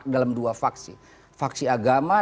dalam dua faksi faksi agama